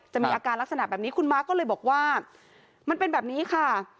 มีอาการลักษณะแบบนี้คุณม้าก็เลยบอกว่ามันเป็นแบบนี้ค่ะ